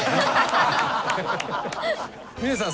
峰さん